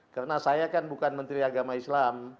karena saya kan bukan menteri agama islam